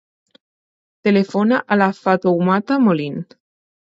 Telefona a la Fatoumata Moline.